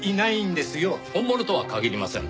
本物とは限りません。